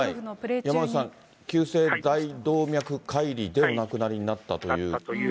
山内さん、急性大動脈解離でお亡くなりになったという。